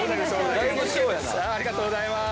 ありがとうございます。